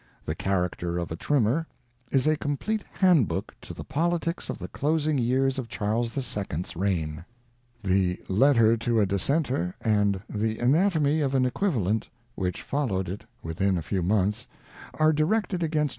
The Character of a Trimmer, is a complete handbook to the politics of the. closing years of Charles the Second's reign. The Letter to a Dissenter and The Anatomy of an Equivalent, which followed it within a few months, are directed against!